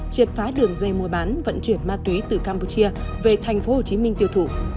triệt phá đường dây mua bán vận chuyển ma túy từ campuchia về tp hcm tiêu thụ